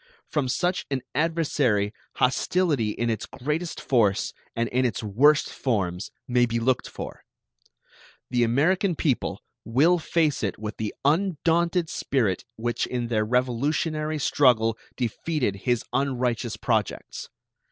From such an adversary hostility in its greatest force and in its worst forms may be looked for. The American people will face it with the undaunted spirit which in their revolutionary struggle defeated his unrighteous projects.